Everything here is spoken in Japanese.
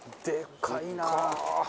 でかいな。